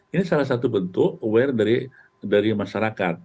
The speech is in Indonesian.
ini salah satu bentuk aware dari masyarakat